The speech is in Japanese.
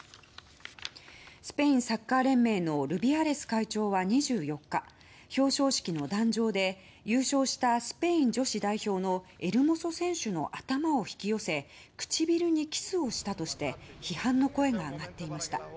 スペインサッカー連盟のルビアレス会長は２４日表彰式の壇上で優勝したスペイン女子代表のエルモソ選手の頭を引き寄せ唇にキスをしたとして批判の声が上がっていました。